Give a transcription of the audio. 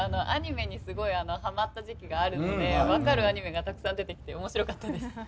アニメにすごいハマった時期があるので分かるアニメがたくさん出てきて面白かったです。